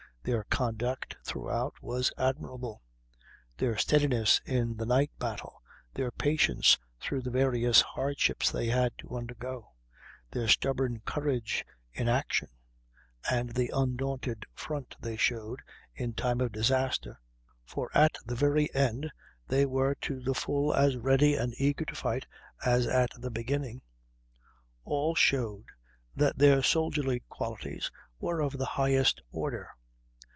Their conduct throughout was admirable. Their steadiness in the night battle, their patience through the various hardships they had to undergo, their stubborn courage in action, and the undaunted front they showed in time of disaster (for at the very end they were to the full as ready and eager to fight as at the beginning), all showed that their soldierly qualities were of the highest order.